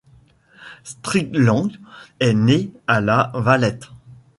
Strickland est né à La Valette.